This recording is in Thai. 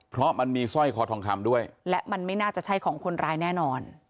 เพราะมันมีสร้อยคอทองคำด้วยและมันไม่น่าจะใช่ของคนร้ายแน่นอน